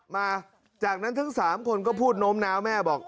มาจากนั้นทั้ง๓คนก็พูดโน้มน้าวแม่บอก